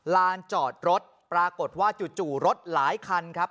ลานจอดรถปรากฏว่าจู่รถหลายคันครับ